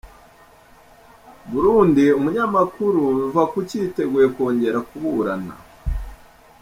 Burundi Umunyamakuru Ruvakuki yiteguye kongera kuburana